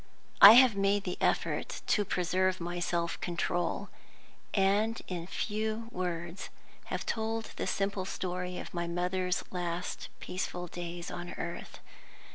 I have made the effort to preserve my self control; and in few words have told the simple story of my mother's last peaceful days on earth.